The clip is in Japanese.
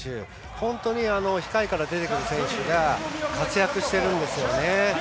本当に控えから出てくる選手が活躍しているんですよね。